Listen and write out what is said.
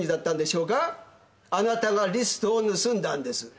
あなたがリストを盗んだんです。